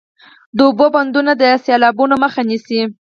د اوبو بندونه د سیلابونو مخه نیسي